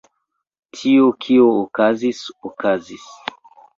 Tio, kio okazis, okazis.